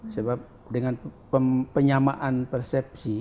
sebab dengan penyamaan persepsi atau penyamaan persepsi